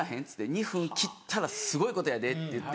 ２分切ったらすごいことやで」って言って。